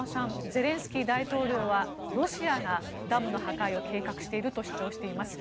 ゼレンスキー大統領はロシアがダムの破壊を計画していると主張しています。